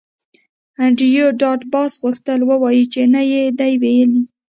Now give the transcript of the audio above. انډریو ډاټ باس غوښتل ووایی چې نه یې دی ویلي